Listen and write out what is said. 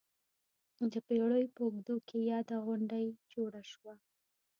د پېړیو په اوږدو کې یاده غونډۍ جوړه شوه.